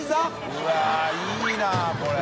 うわいいなこれ。